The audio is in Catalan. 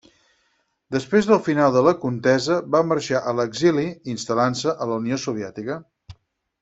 Després del final de la contesa va marxar a l'exili, instal·lant-se a la Unió Soviètica.